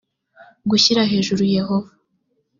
gushyira hejuru yehova